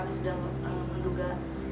dihaja ke bawah dan tidur juga